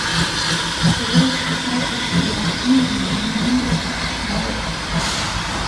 北魏时开始使用密云为的称谓。